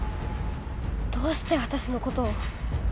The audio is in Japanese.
どうしてわたしのことを。